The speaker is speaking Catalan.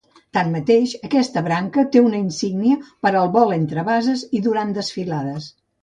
Tanmateix, aquesta branca té una insígnia per al vol entre bases i durant desfilades.